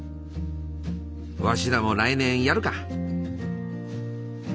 わしらも来年やるか！